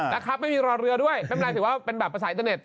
นะครับไม่มีรอเรือด้วยไม่เป็นไรถือว่าเป็นแบบภาษาอินเตอร์เน็ต